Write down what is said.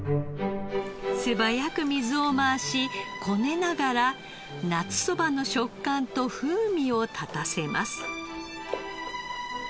素早く水を回しこねながら夏そばの食感と風味を立たせます。